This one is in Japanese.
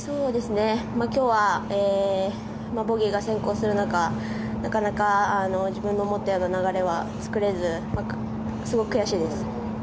今日はボギーが先行する中なかなか自分の思ったような流れは作れずすごく悔しいです。